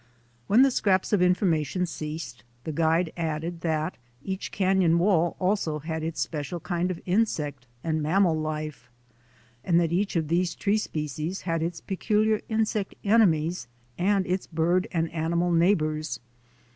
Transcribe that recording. When the scraps of information ceased the guide added that each canon wall also had its special kinds of insect and mammal life, and that each of these tree species had its peculiar insect enemies and its bird and animal neighbours.